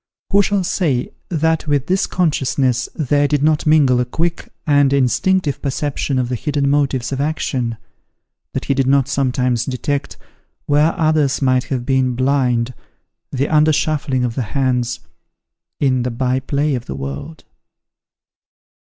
Who shall say that with this consciousness there did not mingle a quick and instinctive perception of the hidden motives of action, that he did not sometimes detect, where others might have been blind, the under shuffling of the hands, in the by play of the world?